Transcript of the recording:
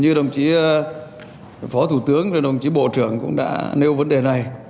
như đồng chí phó thủ tướng đồng chí bộ trưởng cũng đã nêu vấn đề này